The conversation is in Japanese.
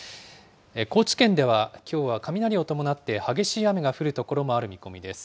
高知県ではきょうは雷を伴って激しい雨が降る所もある見込みです。